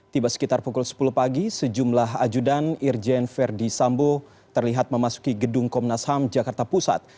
tiba sekitar pukul sepuluh pagi sejumlah ajudan irjen verdi sambo terlihat memasuki gedung komnas ham jakarta pusat